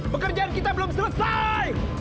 pekerjaan kita belum selesai